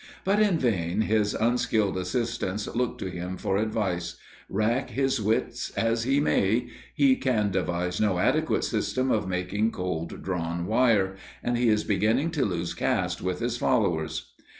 But in vain his unskilled assistants look to him for advice; rack his wits as he may, he can devise no adequate system of making cold drawn wire, and he is beginning to lose caste with his followers.